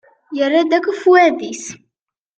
Yerra-d akk afwad-is.